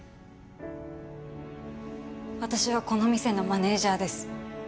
私はこの店のマネージャーです。